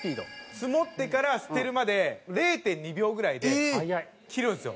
ツモってから捨てるまで０．２秒ぐらいで切るんですよ。